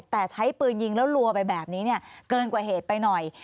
แต่ใช้ปืนยิงแล้วรัวไปแบบนี้เนี่ยเกินกว่าเหตุไปหน่อย